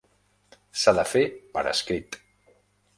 S'ha de fer per escrit.